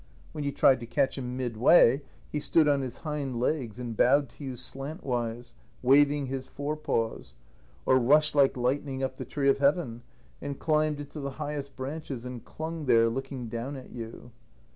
When you tried to catch him midway he stood on his hind legs and bowed to you slantwise, waving his forepaws, or rushed like lightning up the tree of Heaven, and climbed into the highest branches and clung there, looking down at you.